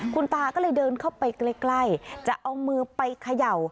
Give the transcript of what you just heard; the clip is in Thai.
คุณตาก็เลยเดินเข้าไปใกล้จะเอามือไปเขย่า